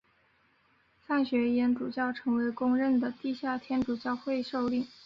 范学淹主教成为公认的地下天主教会领袖。